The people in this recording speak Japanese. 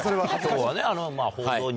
今日はね